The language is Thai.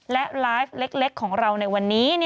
และไลฟ์เล็กของเราในวันนี้